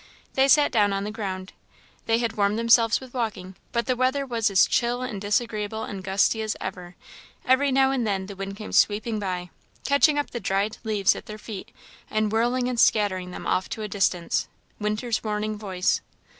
They sat down on the ground. They had warmed themselves with walking, but the weather was as chill and disagreeable and gusty as ever; every now and then the wind came sweeping by, catching up the dried leaves at their feet, and whirling and scattering them off to a distance winter's warning voice.